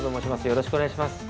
よろしくお願いします。